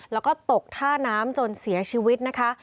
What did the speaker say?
แล้วก็ตกท่าน้ำจนเสียชีวิตนะคะ